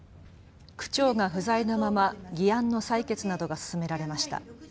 区長が不在のまま議案の採決などが進められました。